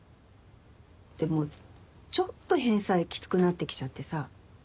でもちょっと返済きつくなってきちゃってさ。